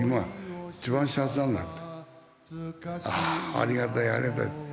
ありがたいありがたい。